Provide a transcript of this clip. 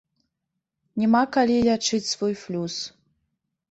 Няма калі лячыць свой флюс.